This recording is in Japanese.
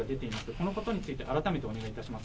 そのことについて改めてお願いいたします。